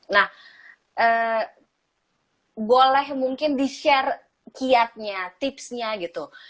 nah boleh mungkin di share kiatnya tipsnya gitu